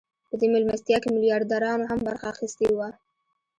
په دې مېلمستیا کې میلیاردرانو هم برخه اخیستې وه